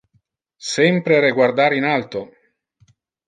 Sempre reguardar in alto!